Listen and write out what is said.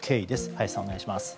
林さん、お願いします。